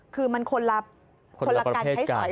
คือมันคนละการใช้สอย